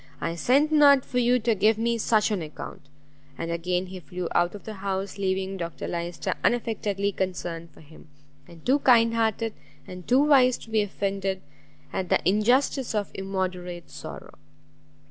I sent not for you to give me such an account!" And again he flew out of the house, leaving Dr Lyster unaffectedly concerned for him, and too kind hearted and too wise to be offended at the injustice of immoderate sorrow.